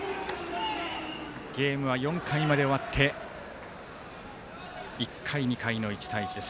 ゲームは４回まで終わって１回、２回の１対１です。